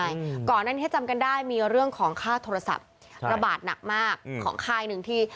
ยอดค้างตั้งแต่ปี